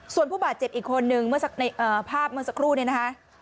ส่วนผู้บาดเจ็บอีกคนนึงเมื่อภาพเมื่อสักครู่เนี่ยนะคะ